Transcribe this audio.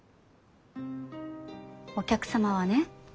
お客様はね